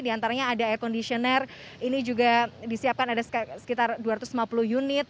di antaranya ada air conditioner ini juga disiapkan ada sekitar dua ratus lima puluh unit